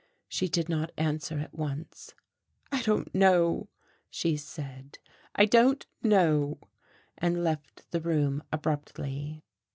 She did not answer at once. "I don't know," she said, "I don't know," and left the room abruptly....